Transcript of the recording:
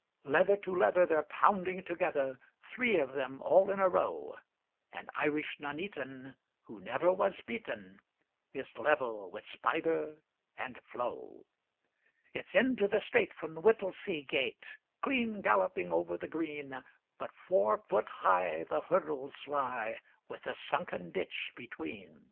Leather to leather, they're pounding together, Three of them all in a row; And Irish Nuneaton, who never was beaten, Is level with Spider and Flo. It's into the straight from the Whittlesea gate, Clean galloping over the green, But four foot high the hurdles lie With a sunken ditch between.